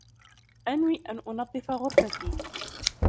أنوي أن أنظف غرفتي.